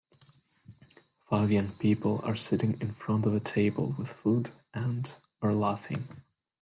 Five young people are sitting in front of a table with food and are laughing.